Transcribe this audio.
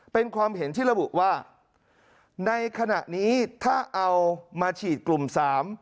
เป็นความเห็นที่ระบุว่าในขณะนี้ถ้าเอามาฉีดกลุ่มสาม